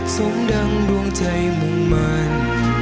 ส่งดังดวงใจมุ่งมัน